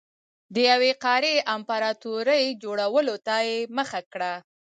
د یوې قاره يي امپراتورۍ جوړولو ته یې مخه کړه.